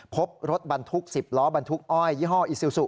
พบรถบันทุกข์๑๐ล้อบันทุกข์อ้อยยี่ห้ออิซิสุ